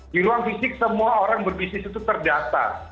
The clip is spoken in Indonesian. di ruang fisik semua orang berbisnis itu terdata